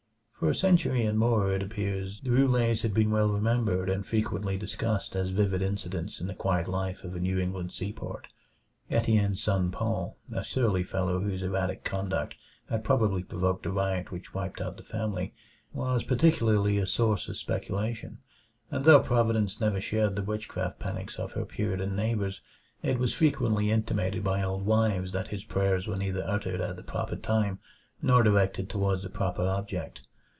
For a century and more, it appeared, the Roulets had been well remembered and frequently discussed as vivid incidents in the quiet life of a New England seaport. Etienne's son Paul, a surly fellow whose erratic conduct had probably provoked the riot which wiped out the family, was particularly a source of speculation; and though Providence never shared the witchcraft panics of her Puritan neighbors, it was freely intimated by old wives that his prayers were neither uttered at the proper time nor directed toward the proper object.